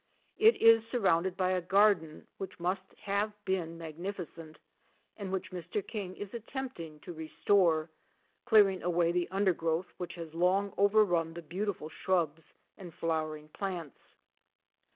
It is surrounded by a garden which must once have been mag nificent and which Mr. King is attempting to restore, clearing away the undergrowth which has long overrun the beautiful shrubs and flowering plants.